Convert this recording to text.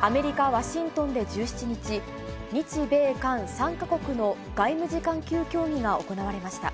アメリカ・ワシントンで１７日、日米韓３か国の外務次官級協議が行われました。